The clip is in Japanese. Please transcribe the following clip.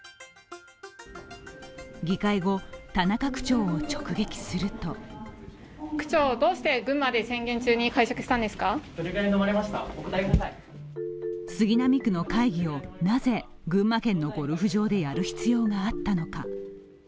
議会後、田中区長を直撃すると杉並区の会議を、なぜ群馬県のゴルフ場でやる必要があったのか。